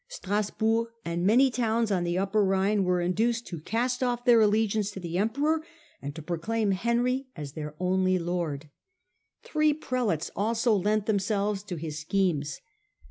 Strasburg and many towns on the Upper Rhine were induced to cast off their allegiance to the Emperor, and to proclaim Henry as their only lord : three Prelates also lent themselves to i 3 4 STUPOR MUNDI his schemes.